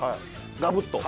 ガブッと？